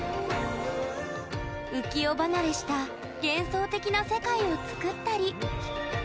浮世離れした幻想的な世界を作ったり。